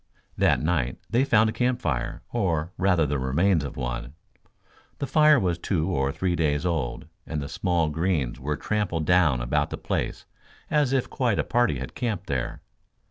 That night they found a campfire, or rather the remains of one. The fire was two or three days old and the small greens were trampled down about the place as if quite a party had camped there.